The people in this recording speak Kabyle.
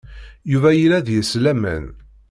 Yuba yella deg-s laman.